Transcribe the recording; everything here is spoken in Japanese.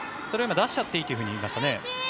それは出しちゃっていいと今、言いましたね。